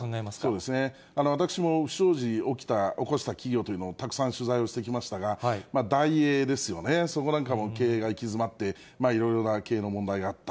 そうですね、私も不祥事起きた、起こした企業というのを、たくさん取材をしてきましたが、ダイエーですよね、そこなんかも経営が行き詰まって、いろいろな経営の問題があった。